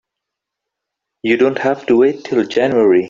You don't have to wait till January.